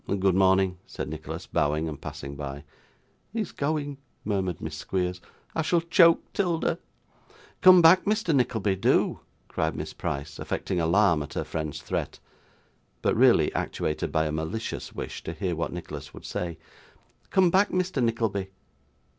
'Good morning,' said Nicholas, bowing and passing by. 'He is going,' murmured Miss Squeers. 'I shall choke, 'Tilda.' 'Come back, Mr. Nickleby, do!' cried Miss Price, affecting alarm at her friend's threat, but really actuated by a malicious wish to hear what Nicholas would say; 'come back, Mr. Nickleby!